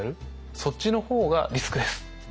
そっちの方がリスクです。